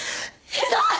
ひどい！